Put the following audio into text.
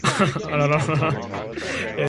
He himself has stated, I don't write, really.